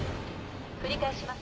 繰り返します。